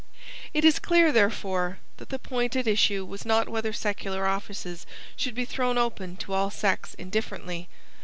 It is clear, therefore, that the point at issue was not whether secular offices should be thrown open to all sects indifferently.